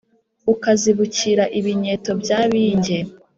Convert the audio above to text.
Ukazibukira ibinyeto bya binge